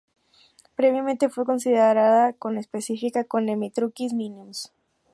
Previamente fue considerada conespecífica con "Hemitriccus minimus".